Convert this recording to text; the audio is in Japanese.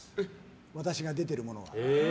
私が出てるものは。